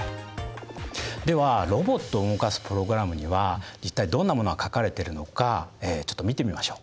ではロボットを動かすプログラムには一体どんなものが書かれてるのかちょっと見てみましょう。